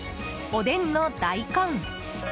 おでんの大根。